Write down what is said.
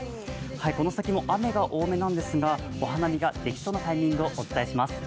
この先も雨が多めなんですがお花見のベストなタイミングをお伝えします。